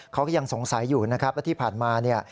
เขาก็ยังสงสัยอยู่นะครับและที่ผ่านมาเนี่ย